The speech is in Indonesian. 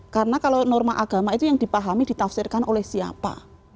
karena kalau norma agama itu yang dipahami ditafsirkan oleh siapa